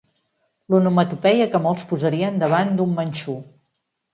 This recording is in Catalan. L'onomatopeia que molts posarien davant d'un manxú.